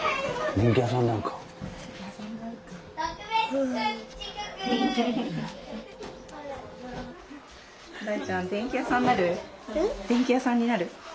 電気屋さんになる？